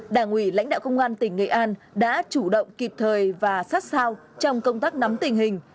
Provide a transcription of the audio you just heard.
đảng ủy lãnh đạo công an tỉnh nghệ an đã chủ động kịp thời và sát sao trong công tác nắm tình hình